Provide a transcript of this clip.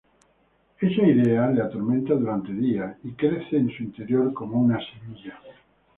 Esa idea le atormenta durante días, y crece en su interior como una semilla.